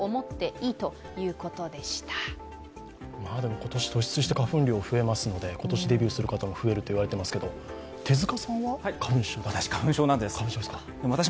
今年、突出して花粉量が増えますので、今年デビューする方も増えると言われていますけど手塚さんは花粉症は？